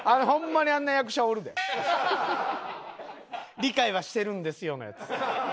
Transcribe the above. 「理解はしてるんですよ」のヤツ。